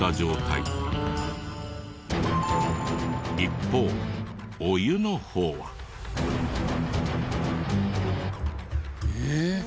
一方お湯の方は。え！？